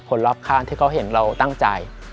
รอบข้างที่เขาเห็นเราตั้งใจ